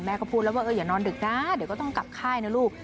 ก็พูดแล้วว่าอย่านอนดึกนะเดี๋ยวก็ต้องกลับค่ายนะลูก